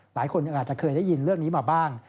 หลายคนอาจจะเคยได้ยินเรื่องนี้มาบ้าง